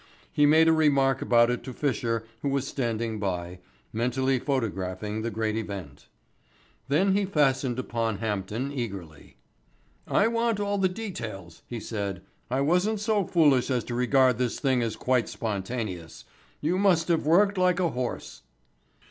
He made a remark about it to Fisher who was standing by, mentally photographing the great event. Then he fastened upon Hampden eagerly. "I want all the details," he said. "I wasn't so foolish as to regard this thing as quite spontaneous. You must have worked like a horse."